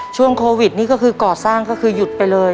ช่วงโควิดนี่ก็คือก่อสร้างก็คือหยุดไปเลย